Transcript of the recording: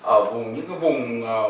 ở những vùng